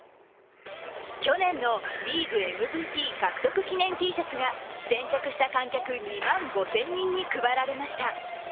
去年のリーグＭＶＰ獲得記念Ｔシャツが先着した観客２万５０００人に配られました。